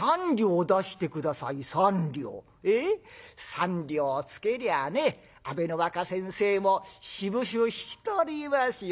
３両つけりゃあね阿部の若先生もしぶしぶ引き取りますよ。